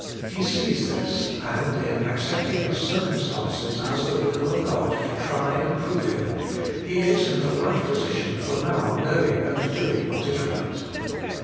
He sees this, and in accepting his circumstances as the will of God to try and prove him, he is in the right position for now knowing and doing what is right.